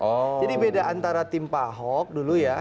jadi beda antara tim pak ahok dulu ya